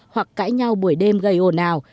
hoặc cãi nhau buổi đêm gây ồn ào